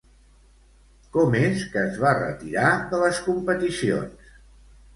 Com és que es va retirar de les competicions?